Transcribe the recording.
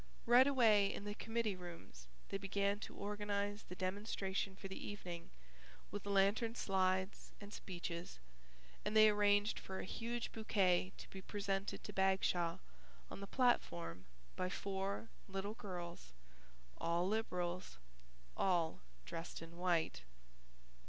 Right away in the committee rooms they began to organize the demonstration for the evening with lantern slides and speeches and they arranged for a huge bouquet to be presented to Bagshaw on the platform by four little girls (all Liberals) all dressed in white.